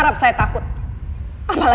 dan yuk pula